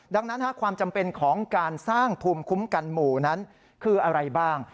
ดังนั้นความจำเป็นของการสร้างภูมิคุ้มกันหมู่นั้นคืออะไรบ้าง